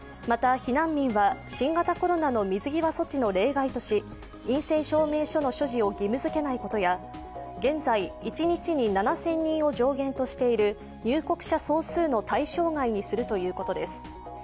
また、避難民は新型コロナの水際措置の例外とし陰性証明書の所持を義務付けないことや、現在、一日に７０００人を上限としている入国者総数の対象外にするということです。